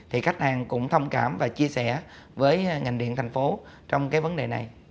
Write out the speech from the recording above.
thì khách hàng cũng thông cảm và chia sẻ với ngành điện thành phố trong cái vấn đề này